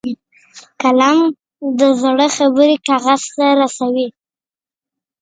قلم د زړه خبرې کاغذ ته رسوي